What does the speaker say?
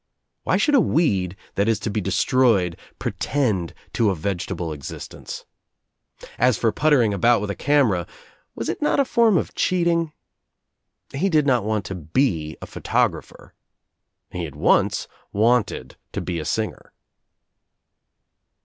Why should a weed that is to be destroyed pretend to a vegetable existence? As for puttering about with a camera — was it not a form of cheating? He did not want to be a photographer. He had once wanted to be a singer.